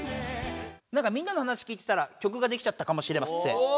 なんかみんなの話聞いてたら曲ができちゃったかもしれません。